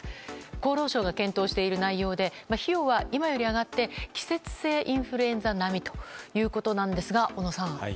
厚労省が検討している内容で費用は今より上がって季節性インフルエンザ並みということなんですが、小野さん。